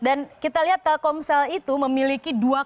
dan kita lihat telkomsel itu memiliki dua kali lebih